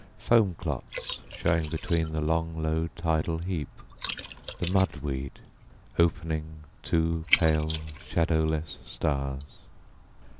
Foam clots showing betweenThe long, low tidal heap, The mud weed opening two pale, shadowless stars.